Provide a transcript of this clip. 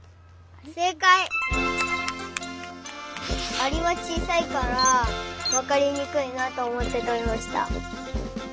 アリはちいさいからわかりにくいなとおもってとりました。